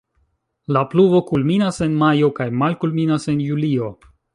La pluvo kulminas en majo kaj malkulminas en julio.